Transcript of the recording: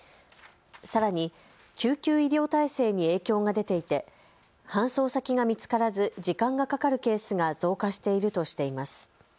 さらに救急医療体制に影響が出ていて搬送先が見つからず時間がかかるケースが増加しているとしています。